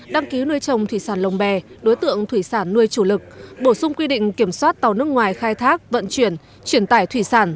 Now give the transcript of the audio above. đăng ký nuôi trồng thủy sản lồng bè đối tượng thủy sản nuôi chủ lực bổ sung quy định kiểm soát tàu nước ngoài khai thác vận chuyển chuyển tải thủy sản